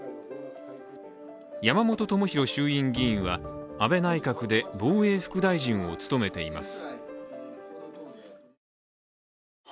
山本朋広衆院議員は安倍内閣で防衛副大臣を務めています。